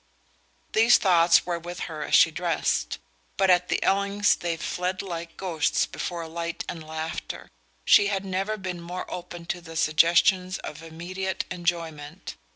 These thoughts were with her as she dressed; but at the Ellings' they fled like ghosts before light and laughter. She had never been more open to the suggestions of immediate enjoyment.